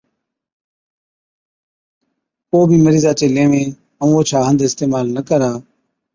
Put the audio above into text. ڪوبِي مرِيضا چين ليوين ائُون اوڇا هنڌ اِستعمال نہ ڪرا ،